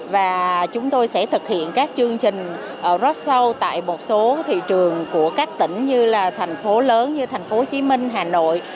và chúng tôi sẽ thực hiện các chương trình rock show tại một số thị trường của các tỉnh như là thành phố lớn như thành phố hồ chí minh hà nội